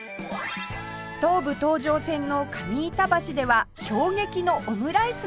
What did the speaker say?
東武東上線の上板橋では衝撃のオムライスが登場！